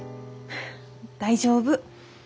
大丈夫。